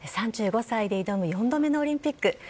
３５歳で挑む４度目のオリンピック。